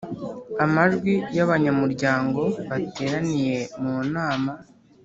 amajwi y abanyamuryango bateraniye mu nama